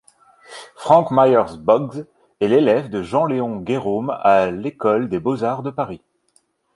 Frank Myers Boggs est l'élève de Jean-Léon Gérôme à l'École des beaux-arts de Paris.